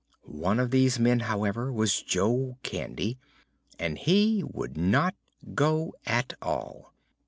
One of these men, however, was Jo Candy, and he would not go at all.